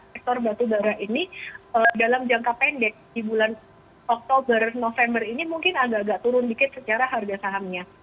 sektor batubara ini dalam jangka pendek di bulan oktober november ini mungkin agak agak turun dikit secara harga sahamnya